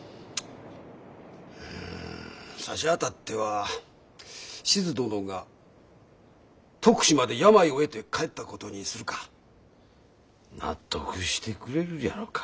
うんさしあたっては志津殿が徳島で病を得て帰ったことにするか。納得してくれるじゃろうか？